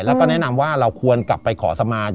แล้วก็แนะนำว่าเราควรกลับไปขอสมาธิ